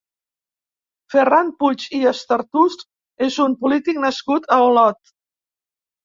Ferran Puig i Estartús és un polític nascut a Olot.